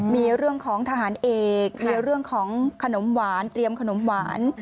มีเรื่องของทหารเอกมีเรื่องของขนมหวานเตรียมขนมหวาน